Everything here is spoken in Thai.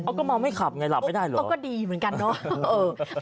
ก็เมาไม่ขับไงหลับไม่ได้เหรอเขาก็ดีเหมือนกันเนาะ